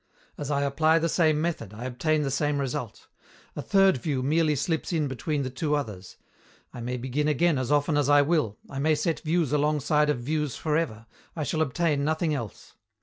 As I apply the same method, I obtain the same result; a third view merely slips in between the two others. I may begin again as often as I will, I may set views alongside of views for ever, I shall obtain nothing else.